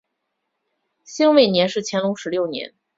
辛未年是乾隆十六年。